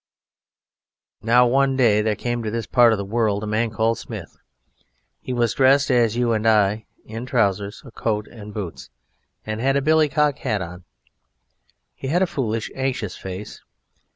Now, one day there came to this part of the world a man called Smith. He was dressed as you and I are, in trousers and a coat and boots, and he had a billycock hat on. He had a foolish, anxious face.